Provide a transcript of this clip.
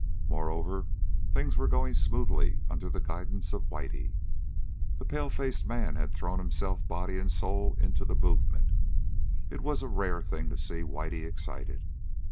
Moreover, things were going smoothly under the guidance of Whitey. The pale faced man had thrown himself body and soul into the movement. It was a rare thing to see Whitey excited.